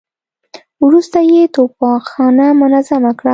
وروسته يې توپخانه منظمه کړه.